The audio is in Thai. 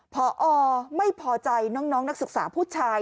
พอไม่พอใจน้องนักศึกษาผู้ชาย